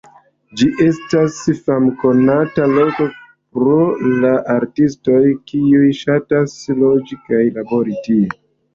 Ĝi estas famkonata loko pro la artistoj kiuj ŝatas loĝi kaj labori tie.